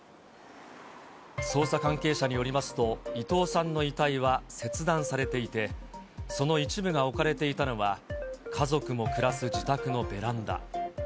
捜査関係者によりますと、伊藤さんの遺体は切断されていて、その一部が置かれていたのは、家族も暮らす自宅のベランダ。